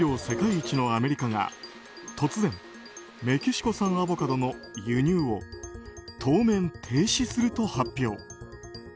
世界一のアメリカが突然メキシコ産アボカドの輸入を当面、停止すると発表。